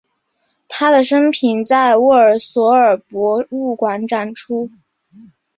他的生平在沃尔索尔博物馆展出。